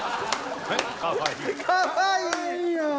かわいいやん。